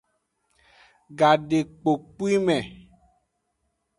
Gadekpokpwime.